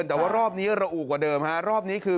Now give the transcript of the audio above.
เพราะว่ารอบนี้ร่วบเริ่มอันนี้คือ